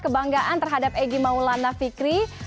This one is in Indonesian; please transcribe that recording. kebanggaan terhadap egy maulana fikri